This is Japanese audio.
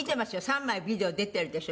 ３枚ビデオ出てるでしょ？